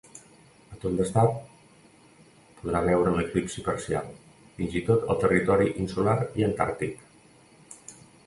Tot l'estat podrà veure l'eclipsi parcial, fins i tot al territori insular i antàrtic.